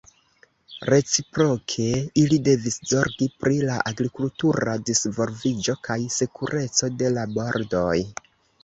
Reciproke, ili devis zorgi pri la agrikultura disvolviĝo kaj sekureco de la bordoj.